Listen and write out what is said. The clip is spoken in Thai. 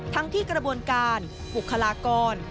ทั้งที่กระบวนการบุคลากร